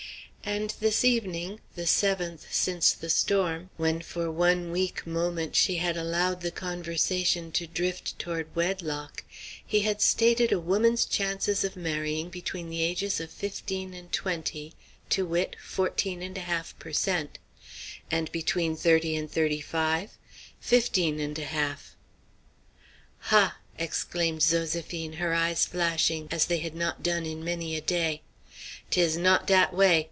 And this evening, the seventh since the storm, when for one weak moment she had allowed the conversation to drift toward wedlock, he had stated a woman's chances of marrying between the ages of fifteen and twenty, to wit, 14½ per cent; and between thirty and thirty five, 15½. "Hah!" exclaimed Zoséphine, her eyes flashing as they had not done in many a day, "'tis not dat way!